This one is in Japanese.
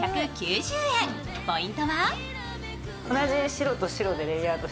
ポイントは？